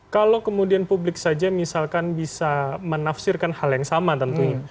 kalau kemudian publik saja misalkan bisa menafsirkan hal yang sama tentunya